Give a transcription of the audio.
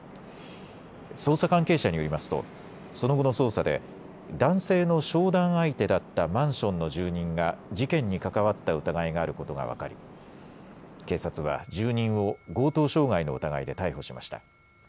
捜査関係者によりますとその後の捜査で男性の商談相手だったマンションの住人が事件に関わった疑いがあることが分かり警察は住人を強盗傷害の疑いで逮捕しました。